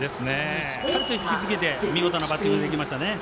しっかりとひきつけて見事なバッティングができました。